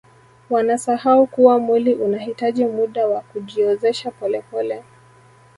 wanasahau kuwa mwili unahitaji muda wa kujizoesha polepole